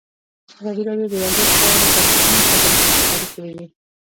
ازادي راډیو د ورزش په اړه د کارپوهانو خبرې خپرې کړي.